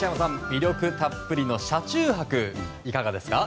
魅力たっぷりの車中泊いかがですか？